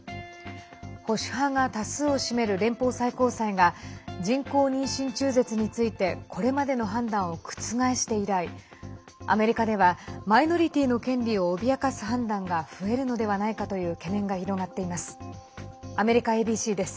保守派が多数を占める連邦最高裁が人工妊娠中絶についてこれまでの判断を覆して以来アメリカではマイノリティーの権利を脅かす判断が増えるのではないかという懸念が広がっています。